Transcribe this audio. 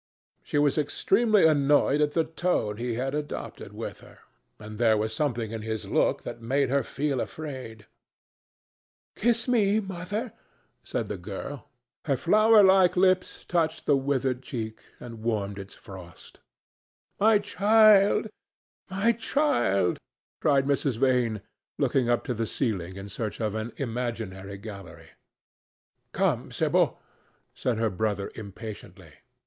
She was extremely annoyed at the tone he had adopted with her, and there was something in his look that had made her feel afraid. "Kiss me, Mother," said the girl. Her flowerlike lips touched the withered cheek and warmed its frost. "My child! my child!" cried Mrs. Vane, looking up to the ceiling in search of an imaginary gallery. "Come, Sibyl," said her brother impatiently.